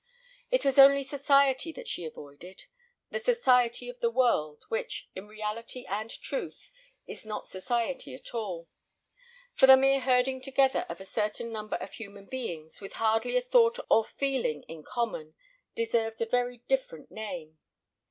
It was only society that she avoided: the society of the world, which, in reality and truth, is not society at all; for the mere herding together of a certain number of human beings, with hardly a thought or feeling in common, deserves a very different name.